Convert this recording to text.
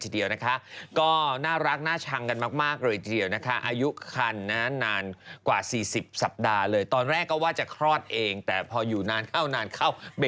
เดี๋ยวมันด่ามันคอนโดดารา